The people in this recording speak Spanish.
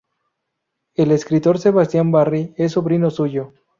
El escritor Sebastian Barry es sobrino suyo.